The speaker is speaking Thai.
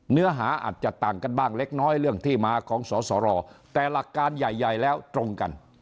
เนื้อหาอาจจะต่างกันบ้างเล็กน้อยเรื่องที่มาของสสรแต่หลักการใหญ่แล้วตรงกัน